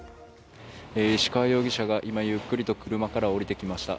石川容疑者が今ゆっくりと車から降りてきました。